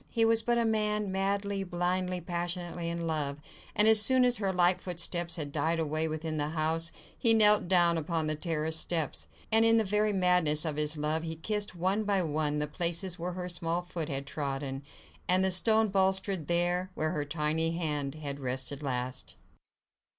He was but a man madly, blindly, passionately in love, and as soon as her light footsteps had died away within the house, he knelt down upon the terrace steps, and in the very madness of his love he kissed one by one the places where her small foot had trodden, and the stone balustrade there, where her tiny hand had rested last.